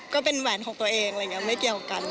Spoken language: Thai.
ก็เป็นแหวนของตัวเองอะไรอย่างนี้ไม่เกี่ยวกัน